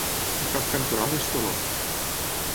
El cap cantonal és Toló.